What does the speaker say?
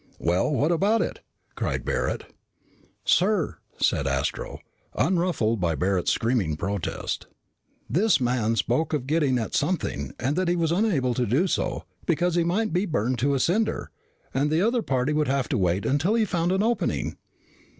"Well, what about it?" cried Barret. "Sir," said Astro, unruffled by Barret's screaming protest, "this man spoke of getting at something, and that he was unable to do so, because he might be burned to a cinder. And the other party would have to wait until he found an opening."